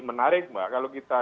menarik mbak kalau kita